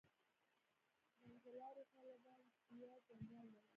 «منځلاري طالبان» زیات جنجال لري.